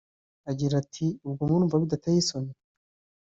Agira ati "ubwo murumva bidateye isoni